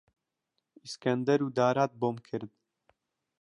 ئیسکەندەر و دارات بۆم کرد،